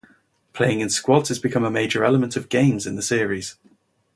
Playing in squads has become a major element of games in the series.